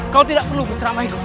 kau tidak perlu berceramaiku